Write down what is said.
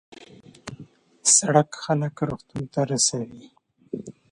سړک خلک روغتون ته رسوي.